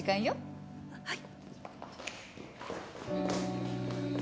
はい。